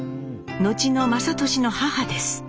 後の雅俊の母です。